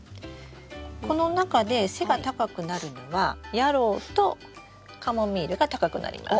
この中で背が高くなるのはヤロウとカモミールが高くなります。